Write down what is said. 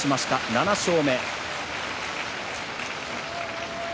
７勝目。